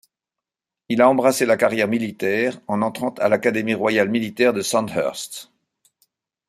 Il a embrassé la carrière militaire en entrant à l'Académie royale militaire de Sandhurst.